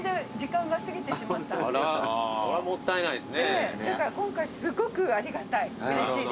ええだから今回すごくありがたい。